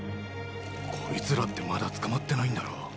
こいつらってまだ捕まってないんだろ？